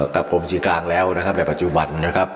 กับความจริงกลางแล้วนะครับแบบปัจจุบันนะครับ